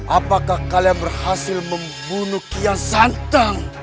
apakah kalian berhasil membunuh kian santang